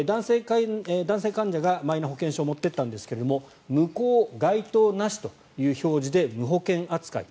男性患者がマイナ保険証を持っていったんですが無効・該当なしという表示で無保険扱い。